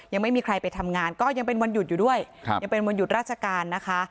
ยังไม่มีใครไปทำงานก็ยังเป็นวันหยุดอยู่ด้วยยังเป็นวันหยุดราชการนะคะ